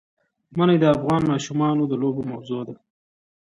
منی د افغان ماشومانو د لوبو موضوع ده.